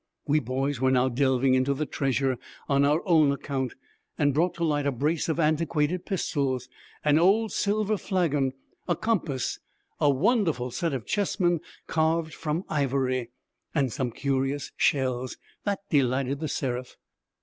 We boys were now delving into the treasure on our own account, and brought to light a brace of antiquated pistols, an old silver flagon, a compass, a wonderful set of chessmen carved from ivory, and some curious shells, that delighted The Seraph.